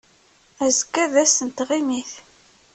Azekka d ass n tɣimit.